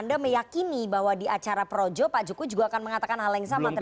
anda meyakini bahwa di acara projo pak jokowi juga akan mengatakan hal lain sama terhadap pak jokowi